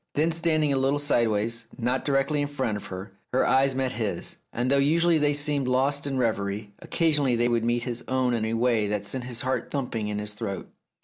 Then, standing a little sideways, not directly in front of her, her eyes met his, and though usually they seemed lost in reverie, occasionally they would meet his own in a way that sent his heart thumping in his throat.